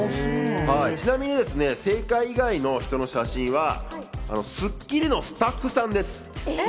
ちなみに正解以外の写真の人は『スッキリ』のスタッフさんです。